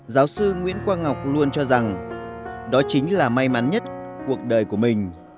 giáo sư nguyễn quang ngọc luôn cho rằng đó chính là may mắn nhất cuộc đời của mình